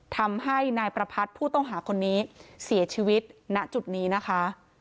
ทำให้นายประพัทธ์ผู้ต้องหาคนนี้เสียชีวิตณจุดนี้นะคะ